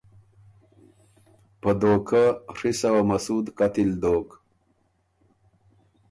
په دهوکۀ ڒی سوه مسود قتل دوک۔